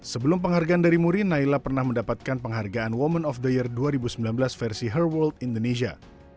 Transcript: sebelum penghargaan dari muri naila pernah mendapatkan penghargaan women of the year dua ribu sembilan belas versi herwold indonesia